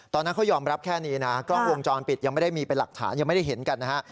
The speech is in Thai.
ตอนนั้นเขายอมรับแค่นี้นะกล้องวงจรปิดยังไม่ได้มีเป็นหลักฐานยังไม่ได้เห็นกันนะฮะ